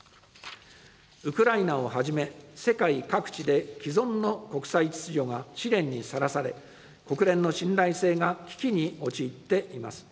ウクライナをはじめ、世界各地で既存の国際秩序が試練にさらされ、国連の信頼性が危機に陥っています。